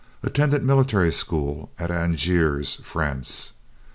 Attended military school at Angers, France.